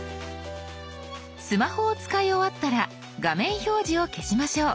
スマホを使い終わったら画面表示を消しましょう。